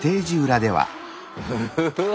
うわ！